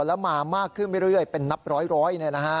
แล้วมามากขึ้นไปเรื่อยเป็นนับร้อย